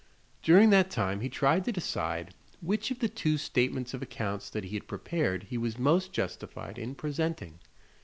During that time he tried to decide which of the two statements of accounts that he had prepared he was most justified in presenting.